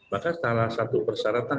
maka salah satu persyaratan